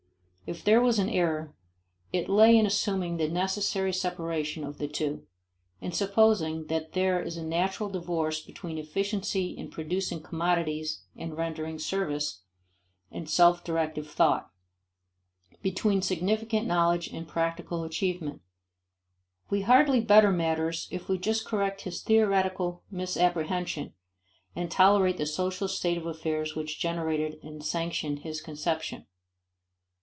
If there was an error, it lay in assuming the necessary separation of the two: in supposing that there is a natural divorce between efficiency in producing commodities and rendering service, and self directive thought; between significant knowledge and practical achievement. We hardly better matters if we just correct his theoretical misapprehension, and tolerate the social state of affairs which generated and sanctioned his conception.